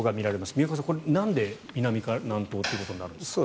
宮川さん、これはなんで南から南東になるんですか？